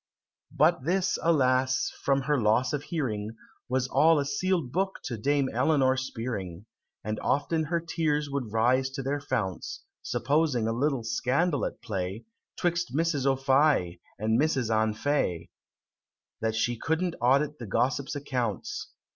But this, alas! from her loss of hearing, Was all a seal'd book to Dame Eleanor Spearing; And often her tears would rise to their founts Supposing a little scandal at play 'Twixt Mrs. O'Fie and Mrs. An Fait That she couldn't audit the Gossips' accounts.